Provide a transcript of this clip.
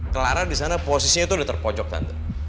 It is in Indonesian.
clara disana posisinya itu udah terpojok tante